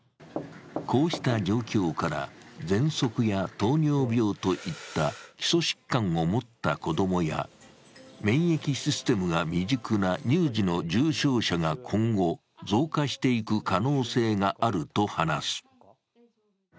こうした状況から、ぜんそくや糖尿病といった基礎疾患を持った子供や免疫システムが未熟な乳児の重症者が今後、増加していく可能性があると話す。